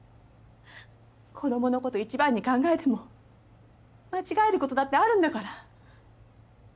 子供の事一番に考えても間違える事だってあるんだから。